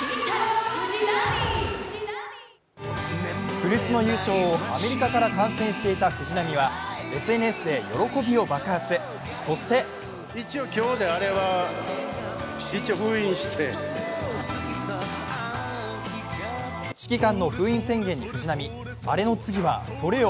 古巣の優勝をアメリカから観戦していた藤浪はＳＮＳで喜びを爆発、そして指揮官の封印宣言に藤浪、アレの次はソレよ！